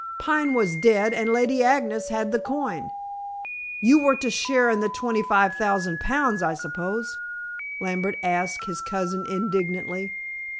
"Pine was dead and Lady Agnes had the coin." "You were to share in the twenty five thousand pounds, I suppose?" Lambert asked his cousin indignantly.